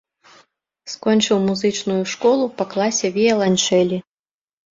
Скончыў музычную школу па класе віяланчэлі.